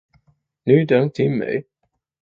Như đong tình mẹ